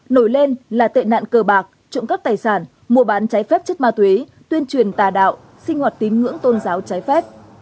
nổi lên là tệ nạn cờ bạc trụng cấp tài sản mùa bán trái phép chất ma tuế tuyên truyền tà đạo sinh hoạt tín ngưỡng tôn giáo trái phép